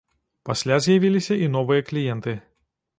Пасля з'явіліся і новыя кліенты.